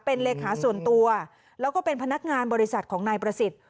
เป็นเลขาส่วนตัวแล้วก็เป็นพนักงานบริษัทของนายประสิทธิ์